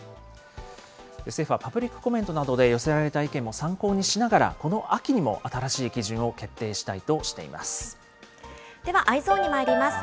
政府はパブリックコメントなどで寄せられた意見も参考にしながら、この秋にも新しい基準を決定したではＥｙｅｓｏｎにまいります。